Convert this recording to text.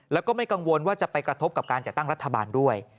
แล้วก็ไม่กังวลว่าจะไปกระทบกับการจัดตั้งรัฐบาลด้วย